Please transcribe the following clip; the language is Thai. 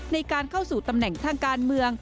ในการเข้าสู่ตำแหน่งทางการเมือง